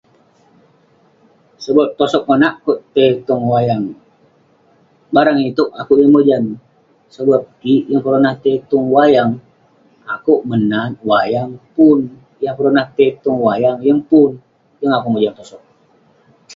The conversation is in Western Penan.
Sebab tosog konak akouk tai tong wayang..barang itouk ,akouk yeng mojam..sebab kik yeng peronah tai tong wayang..akouk menat wayang, pun..yah peronah tai tong wayang, yeng pun..yeng akouk mojam tosog eh..